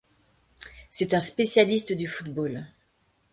C'est un spécialiste du football.